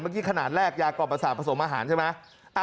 เมื่อกี้ขนาดแรกยากรอบประสาประสมอาหารใช่ไหม